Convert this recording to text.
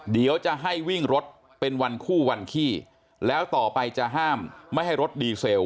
เดี๋ยวจะให้วิ่งรถเป็นวันคู่วันขี้แล้วต่อไปจะห้ามไม่ให้รถดีเซล